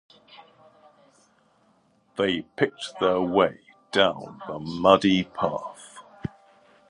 They picked their way down the muddy path.